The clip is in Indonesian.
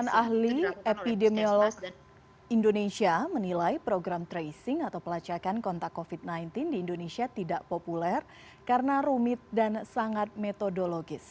badan ahli epidemiolog indonesia menilai program tracing atau pelacakan kontak covid sembilan belas di indonesia tidak populer karena rumit dan sangat metodologis